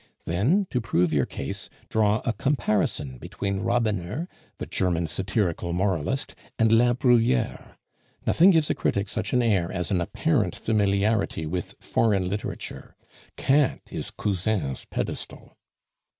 Then, to prove your case, draw a comparison between Rabener, the German satirical moralist, and La Bruyere. Nothing gives a critic such an air as an apparent familiarity with foreign literature. Kant is Cousin's pedestal.